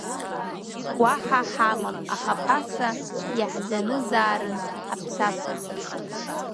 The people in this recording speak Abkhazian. Уаҳа ҳамам, аха ԥаса, иаҳзанызаарын аԥсаса.